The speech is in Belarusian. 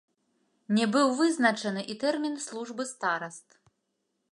Не быў вызначаны і тэрмін службы стараст.